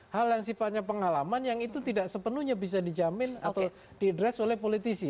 hal yang sifatnya pengalaman yang itu tidak sepenuhnya bisa dijamin atau diadres oleh politisi